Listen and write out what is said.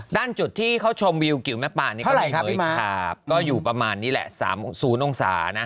ด้านจุดที่เขาชมวิวกิวแม่ป่านก็เป็นเหมือยขาบก็อยู่ประมาณนี้๓องศา